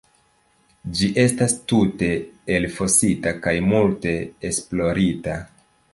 Ĝi estas tute elfosita kaj multe esplorita.